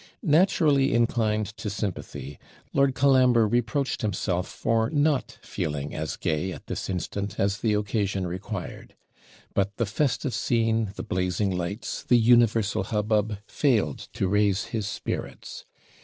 Naturally inclined to sympathy, Lord Colambre reproached himself for not feeling as gay at this instant as the occasion required. But the festive scene, the blazing lights, the 'universal hubbub,' failed to raise his spirits.